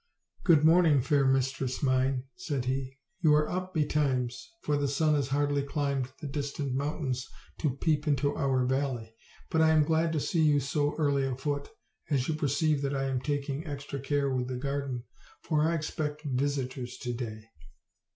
"Good morning, fair mistress mine," said he. "You are up betimes, for the sun has hardly climbed the dis tant mountains to peep into our valley; but I am glad to see you so early afoot, as you perceive that I am taking extra care with the garden, for I expect visitors to day."